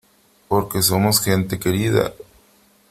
porque somos gente querida .